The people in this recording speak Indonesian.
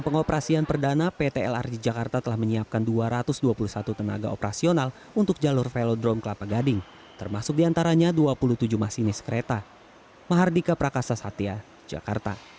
pemerintah lrt jakarta juga sudah siap diuji coba